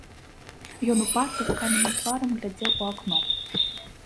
Ён упарта, з каменным тварам, глядзеў у акно.